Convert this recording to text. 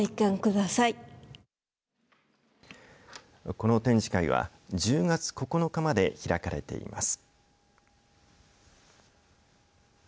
この展示会は１０月９日まで開かれています。